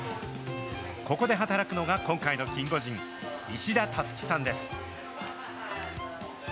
ここで働くのが今回のキンゴジン、石田竜生さんです。